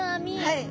はい。